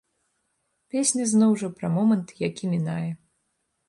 Песня, зноў жа, пра момант, які мінае.